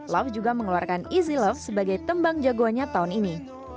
love juga mengeluarkan easy love sebagai tembang jagoannya tahun ini